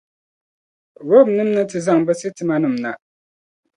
Romnim’ ni ti zaŋ bɛ sitimanim’ na.